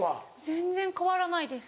全然変わらないです。